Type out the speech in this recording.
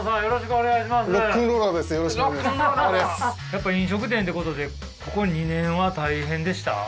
やっぱ飲食店ってことでここ２年は大変でした？